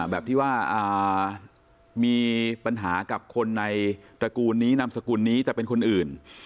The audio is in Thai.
แบบที่ว่ามีปัญหากับคนในตระกูลนี้นามสกุลนี้แต่เป็นคนอื่น